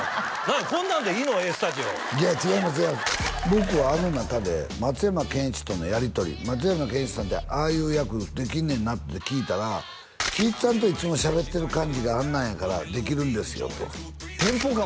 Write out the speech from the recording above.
僕はあの中で松山ケンイチとのやり取り松山ケンイチさんってああいう役できんねんなって聞いたら貴一さんといつもしゃべってる感じがあんなんやからできるんですよとテンポ感